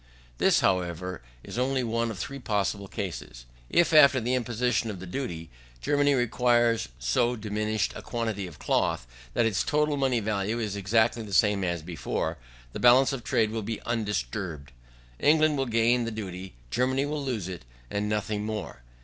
This, however, is only one of three possible cases. If, after the imposition of the duty, Germany requires so diminished a quantity of cloth, that its total money value is exactly the same as before, the balance of trade will be undisturbed; England will gain the duty, Germany will lose it, and nothing more.